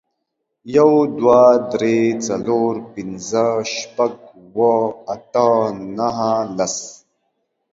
يو، دوه، درې، څلور، پينځه، شپږ، اووه، اته، نهه، لس